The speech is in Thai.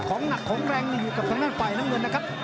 อยู่กับทางด้านฝ่ายน้ำเงินนะครับ